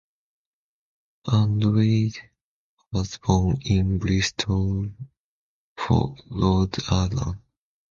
Andrade was born in Bristol, Rhode Island.